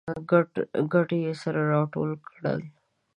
کډه یې سره راټوله کړه